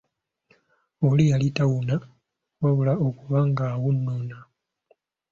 Oli yali tawuuna, wabula okuba ng’awunnuuna.